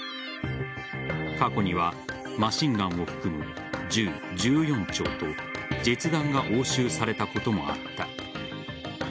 過去にはマシンガンを含む銃１４丁と実弾が押収されたこともあった。